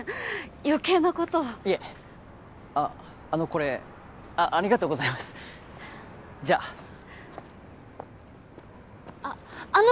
よけいなことをいえあっあのこれありがとうございますじゃああっあの！